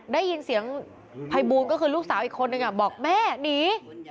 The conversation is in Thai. ได้ยินเสียงภัยบูลก็คือลูกสาวอีกคนนึงบอกแม่หนี